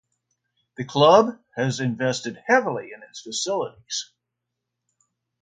The club has invested heavily in its facilities.